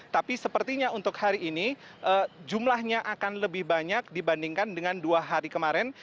tapi sepertinya untuk hari ini jumlahnya akan lebih banyak dibandingkan dengan dua hari kemarin